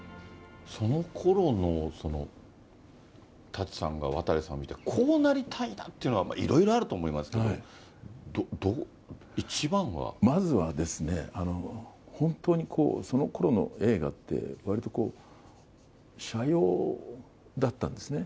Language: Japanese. そのころの舘さんが、渡さんを見て、こうなりたいなっていうのはいろいろあると思いますけど、一番はまずはですね、本当に、そのころの映画ってわりとこう、斜陽だったんですね。